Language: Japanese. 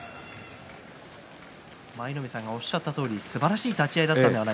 舞の海さんのおっしゃったとおりすばらしい立ち合いでした。